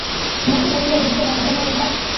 মতি বলিল, দিদিকে ডাকবে না একবার?